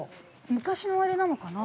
昔の穴なのかな。